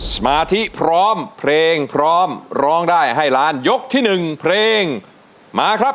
สมาธิพร้อมเพลงพร้อมร้องได้ให้ล้านยกที่๑เพลงมาครับ